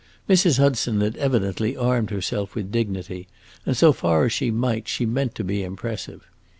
Mrs. Hudson had evidently armed herself with dignity, and, so far as she might, she meant to be impressive.